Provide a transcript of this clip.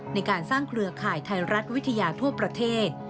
ในการสร้างเครือข่ายไทยรัฐวิทยาทั่วประเทศ